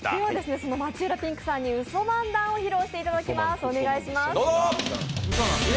その街裏ぴんくさんにウソ漫談を披露していただきます。